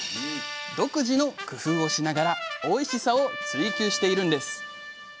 独自の工夫をしながらおいしさを追求しているんです。